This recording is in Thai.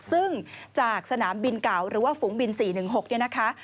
ซึ่งจากสนามบินเก่าหรือว่าฝูงบิน๔๑๖เนี่ยนะคะ